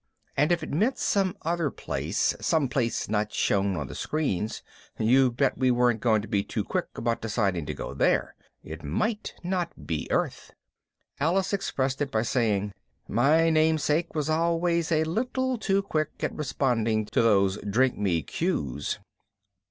And if it meant some other place, some place not shown on the screens, you bet we weren't going to be too quick about deciding to go there. It might not be on Earth. Alice expressed it by saying, "My namesake was always a little too quick at responding to those DRINK ME cues."